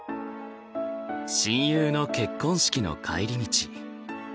親友の結婚式の帰り道。